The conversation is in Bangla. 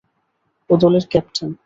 ও দলের ক্যাপ্টেন।